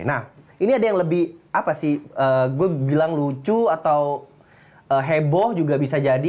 nah ini ada yang lebih apa sih gue bilang lucu atau heboh juga bisa jadi